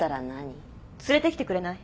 連れてきてくれない？